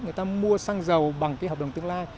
người ta mua xăng dầu bằng cái hợp đồng tương lai